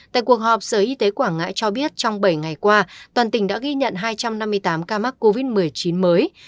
tại cuộc họp sở y tế quảng ngãi cho biết trong bảy ngày qua toàn tỉnh đã ghi nhận hai trăm năm mươi tám ca mắc covid một mươi chín mới